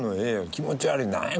気持ち悪い何や？